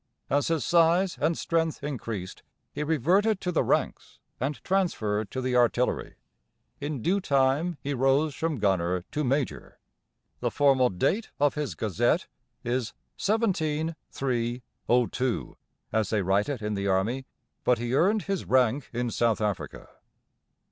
As his size and strength increased he reverted to the ranks and transferred to the Artillery. In due time he rose from gunner to major. The formal date of his "Gazette" is 17 3 02 as they write it in the army; but he earned his rank in South Africa.